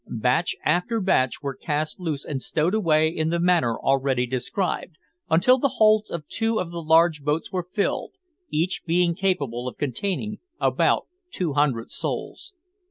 Batch after batch was cast loose and stowed away in the manner already described, until the holds of two of the large boats were filled, each being capable of containing about two hundred souls.